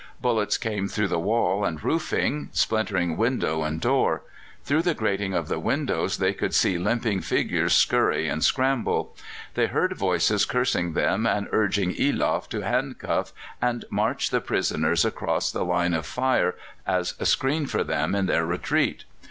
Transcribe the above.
Bullets came through the wall and roofing, splintering window and door; through the grating of the windows they could see limping figures scurry and scramble; they heard voices cursing them and urging Eloff to handcuff and march the prisoners across the line of fire as a screen for them in their retreat.